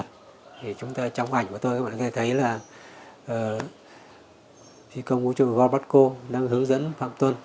phí công vũ trụ gorbatsko đang hướng dẫn phạm tuân